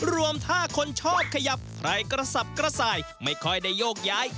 รวมถ้าคนชอบขยับใครกระสับกระส่ายไม่ค่อยได้โยกย้าย